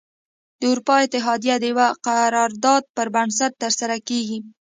د اروپا اتحادیه د یوه قرار داد پر بنسټ تره سره کیږي.